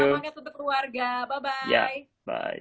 selamat banget untuk keluarga bye bye